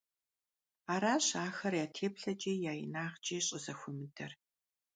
Аращ ахэр я теплъэкIи я инагъкIи щIызэхуэмыдэр.